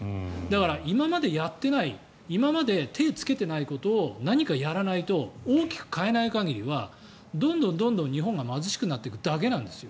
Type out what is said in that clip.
だから、今までやっていない今まで手をつけていないことを何かやらないと大きく変えない限りはどんどん日本が貧しくなっていくだけなんです。